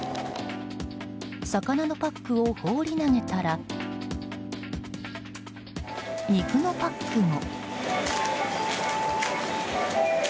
魚のパックを放り投げたら肉のパックも。